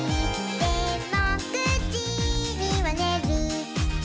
「でも９じにはねる」